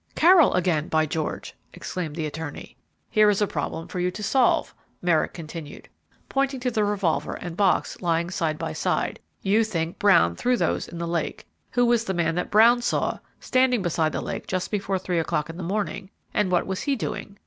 "Carroll again, by George!" exclaimed the attorney. "Here is a problem for you to solve," Merrick continued, pointing to the revolver and box lying side by side. "You think Brown threw those in the lake. Who was the man that Brown saw standing beside the lake just before three o'clock in the morning, and what was he doing?